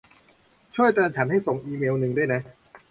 ช่วยเตือนฉันให้ส่งอีเมลล์นึงด้วยนะ